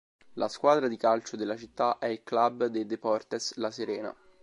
La squadra di calcio della città è il Club de Deportes La Serena.